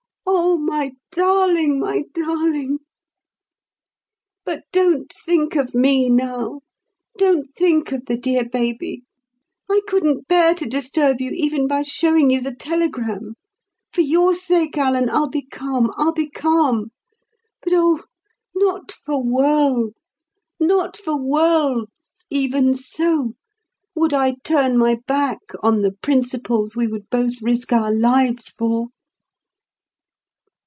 oh, my darling, my darling! But don't think of me now. Don't think of the dear baby. I couldn't bear to disturb you even by showing you the telegram. For your sake, Alan, I'll be calm—I'll be calm. But oh, not for worlds—not for worlds—even so, would I turn my back on the principles we would both risk our lives for!"